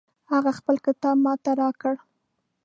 هغې خپل کتاب ما ته راکړ